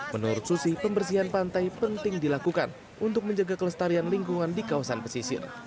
menurut susi pembersihan pantai penting dilakukan untuk menjaga kelestarian lingkungan di kawasan pesisir